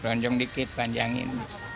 roncong dikit panjangin